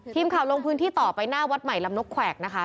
ทีมข่าวลงพื้นที่ต่อไปหน้าวัดใหม่ลำนกแขวกนะคะ